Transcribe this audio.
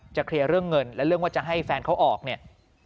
เคลียร์เรื่องเงินและเรื่องว่าจะให้แฟนเขาออกเนี่ย